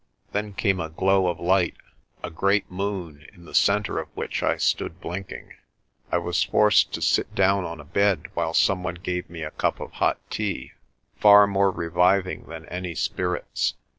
Then came a glow of light, a great moon, in the centre of which I stood blink ing. I was forced to sit down on a bed, while some one gave me a cup of hot tea, far more reviving than any spirits.